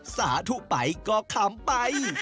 สาธุไผรก็ขึ้นไป